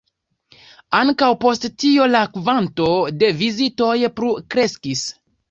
Ankaŭ post tio la kvanto de vizitoj plu kreskis.